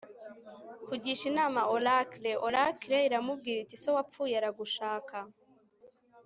kugisha inama oracle. oracle iramubwira iti 'so wapfuye aragushaka